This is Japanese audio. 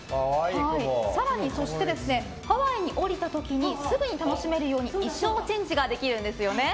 更に、ハワイに降りた時にすぐに楽しめるように衣装チェンジができるんですよね。